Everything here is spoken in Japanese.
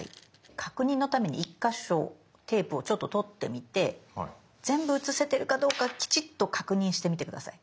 確認のために１か所テープをちょっと取ってみて全部写せてるかどうかきちっと確認してみて下さい。